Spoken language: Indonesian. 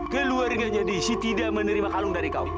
keluarga desy tidak menerima kalung dari kau